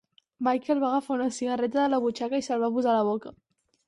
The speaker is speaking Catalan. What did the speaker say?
Michael va agafar una cigarreta de la butxaca i se'l va posar a la boca.